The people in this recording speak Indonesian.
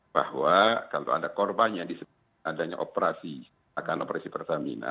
bahwa kalau ada korban yang disebut adanya operasi akan operasi pertamina